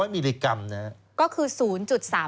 ๓๐๐มิลลิกรัมนะ